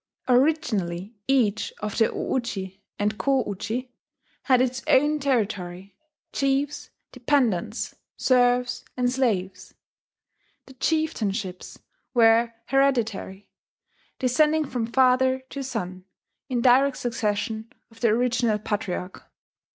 Originally each of the O uji and Ko uji had its own territory, chiefs, dependants, serfs, and slaves. The chieftainships were hereditary, descending from father to son in direct succession from the original patriarch.